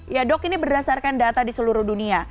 ya dok ini berdasarkan data di seluruh dunia